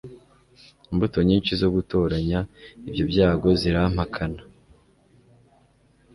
Imbuto nyinshi zo gutoranya ibyo byago zirampakana